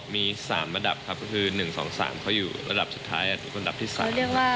มี๓ระดับครับก็คือ๑๒๓เขาอยู่ระดับสุดท้ายอันดับที่๓